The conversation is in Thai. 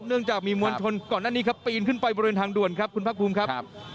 เนื่องจากมีมวลชนก่อนหน้านี้ครับปีนขึ้นไปบริเวณทางด่วนครับคุณภาคภูมิครับ